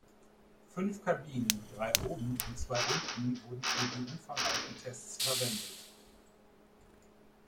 Fünf Kabinen, drei oben und zwei unten wurden für die umfangreichen Tests verwendet.